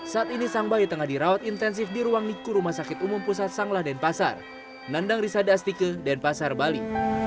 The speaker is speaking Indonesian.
saat ini sang bayi tengah dirawat intensif di ruang nikur rumah sakit umum pusat sang lah den pasar nandang risada astike den pasar bali